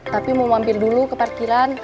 tapi mau mampir dulu ke parkiran